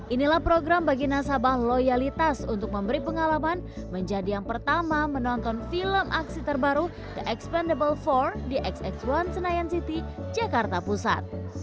inilah program bagi nasabah loyalitas untuk memberi pengalaman menjadi yang pertama menonton film aksi terbaru the expendible empat di xx satu senayan city jakarta pusat